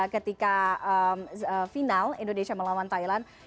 ketika final indonesia melawan thailand